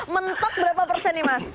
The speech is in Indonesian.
mentok berapa persen nih mas